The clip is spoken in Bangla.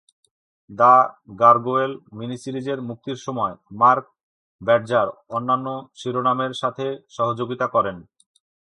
"দ্য গারগোয়েল" মিনি-সিরিজের মুক্তির সময়, মার্ক ব্যাডজার অন্যান্য শিরোনামের সাথে সহযোগিতা করেন।